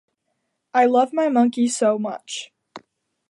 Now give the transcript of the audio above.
I love my monkey so much